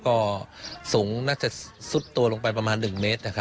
ก็สูงน่าจะซุดตัวลงไปประมาณ๑เมตร